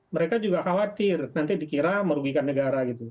mereka juga khawatir nanti dikira merugikan negara gitu